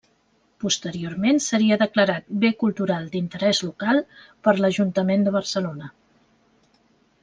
Posteriorment seria declarat bé cultural d’interès local per l'Ajuntament de Barcelona.